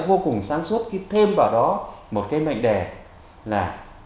vô cùng sáng suốt khi thêm vào đó một cái mệnh đề là